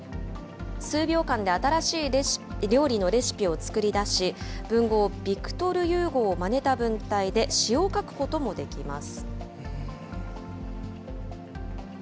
数秒間で新しい料理のレシピを作り出し、文豪、ビクトル・ユーゴーをまねた文体で詩を書くこともできます。